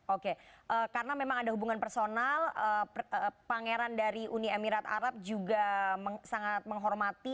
oke karena memang ada hubungan personal pangeran dari uni emirat arab juga sangat menghormati